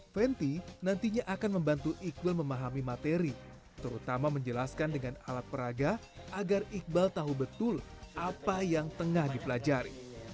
fenty nantinya akan membantu iqbal memahami materi terutama menjelaskan dengan alat peraga agar iqbal tahu betul apa yang tengah dipelajari